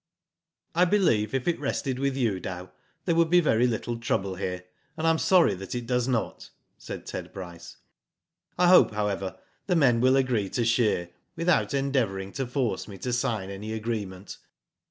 "I believe, if it rested with you, Dow, there would be very little trouble here, and I am sorry it does not,'* said Ted Bryce. "I hope, however, the men will agree to shear, without endeavouring to force me to sign any agreement.